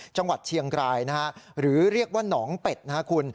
จังหวัดเชียงรายนะฮะหรือเรียกว่าหนองเป็ดนะฮะคุณ